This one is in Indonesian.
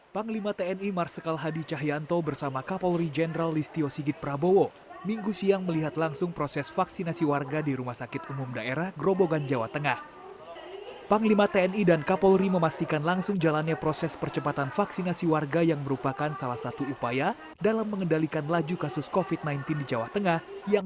pembangunan jawa tengah